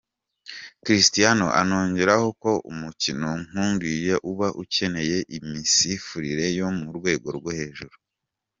Cristiano anongeraho ko umukino nk’uriya uba ukeneye imisifurire yo mu rwego rwo hejuru.